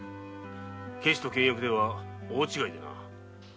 ケチと倹約では大違いでな。